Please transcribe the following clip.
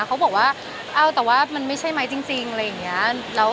เขาบอกว่าเอาแต่ว่ามันไม่ใช่ไหมจริงอะไรอย่างนี้